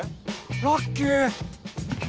ラッキー！